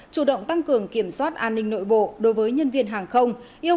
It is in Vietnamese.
chủ động tăng cường kiểm soát an ninh nội bộ đối với nhân viên hàng không